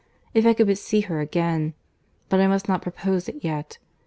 If I could but see her again!—But I must not propose it yet.